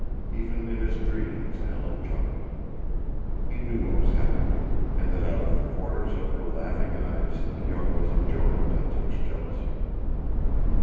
Even in his dreams Alan chuckled. He knew what was happening, and that out of the corners of her laughing eyes Keok was enjoying Tautuk's jealousy.